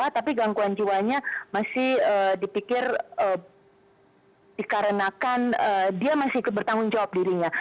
tapi gangguan jiwanya masih dipikir dikarenakan dia masih ikut bertanggung jawab dirinya